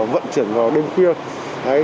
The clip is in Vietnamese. vận chuyển vào đêm khuya